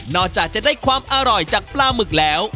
จากจะได้ความอร่อยจากปลาหมึกแล้ว